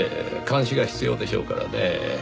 監視が必要でしょうからねぇ。